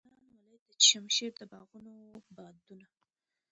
د بغلان ولایت د چشم شیر د باغونو بادونه.